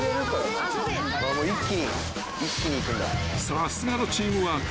［さすがのチームワーク］